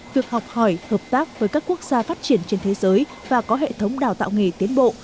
việc học hỏi hợp tác với các quốc gia phát triển trên thế giới và có hệ thống đào tạo nghề tiến bộ